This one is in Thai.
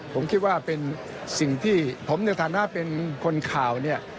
ผมคิดว่าเป็นสิ่งที่ผมในฐานะเป็นคนข่าวเนี่ย